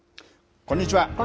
こんにちは。